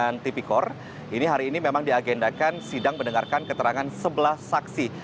berdasarkan rilis informasi dari humas pengadilan tp kor ini hari ini memang diagendakan sidang mendengarkan keterangan sebelas saksi